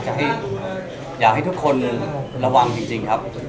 อยากให้ทุกคนระวังจริงครับ